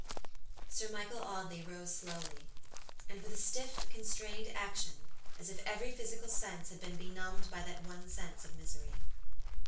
Sir Michael Audley rose slowly, and with a stiff, constrained action, as if every physical sense had been benumbed by that one sense of misery.